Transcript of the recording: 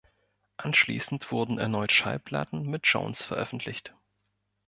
Anschließend wurden erneut Schallplatten mit Jones veröffentlicht.